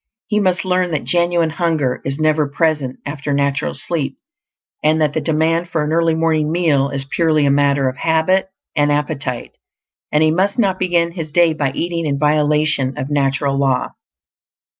He must learn that genuine hunger is never present after natural sleep, and that the demand for an early morning meal is purely a matter of habit and appetite; and he must not begin his day by eating in violation of natural law.